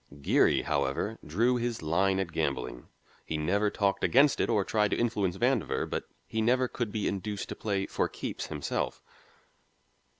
Geary, however, drew his line at gambling; he never talked against it or tried to influence Vandover, but he never could be induced to play "for keeps" himself.